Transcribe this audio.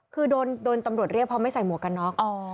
คือโดนตำรวจเรียกครอบด้วยของพ่อไม่ใส่หมวกการน็อค